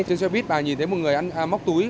chưa biết bà nhìn thấy một người mắc túi